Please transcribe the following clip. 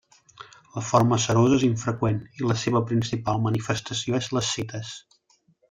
La forma serosa és infreqüent, i la seva principal manifestació és l'ascites.